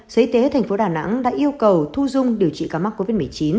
sở y tế tp đn đã yêu cầu thu dung điều trị ca mắc covid một mươi chín